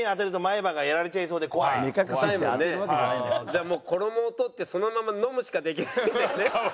じゃあもう衣を取ってそのままのむしかできないんだね。